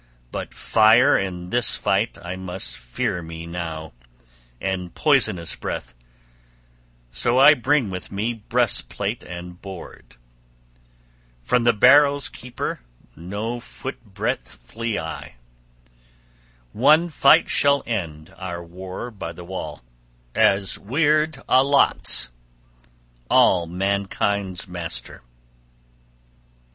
But fire in this fight I must fear me now, and poisonous breath; so I bring with me breastplate and board. {33c} From the barrow's keeper no footbreadth flee I. One fight shall end our war by the wall, as Wyrd allots, all mankind's master.